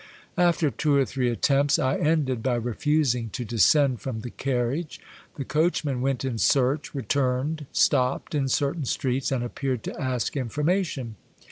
After two or three attempts I ended by refusing to descend from the carriage. The coachman went in search, returned, stopped in certain streets, and appeared to ask information.